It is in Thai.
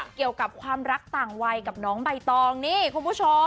เกี่ยวกับความรักต่างวัยกับน้องใบตองนี่คุณผู้ชม